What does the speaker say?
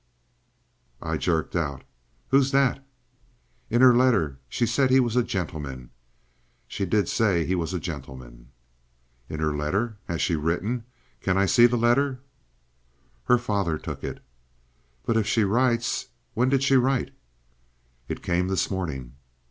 I jerked out: "Who's that?" "In her letter, she said he was a gentleman. She did say he was a gentleman." "In her letter. Has she written? Can I see her letter?" "Her father took it." "But if she writes— When did she write?" "It came this morning."